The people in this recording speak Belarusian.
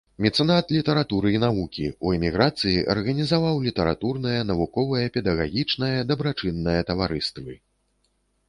Мецэнат літаратуры і навукі, у эміграцыі арганізаваў літаратурнае, навуковае, педагагічнае, дабрачыннае таварыствы.